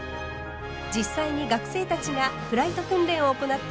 実際に学生たちがフライト訓練を行っている施設です。